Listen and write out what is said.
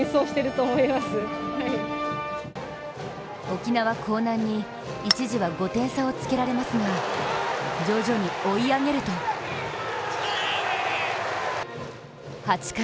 沖縄・興南に一時は５点差をつけられますが徐々に追い上げると８回